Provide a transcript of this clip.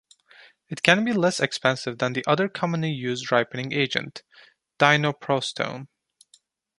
It can be less expensive than the other commonly used ripening agent, dinoprostone.